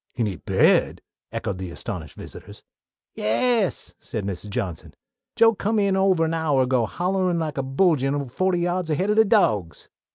"In he bed?" echoed the astonished visitors. "Yass," said Mrs. Johnson. "Joe come in ovah an hour ago hollerin' like a bullgine fohty yahds ahead o' de dawgs."